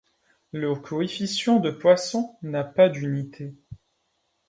Le coefficient de Poisson n'a pas d'unité.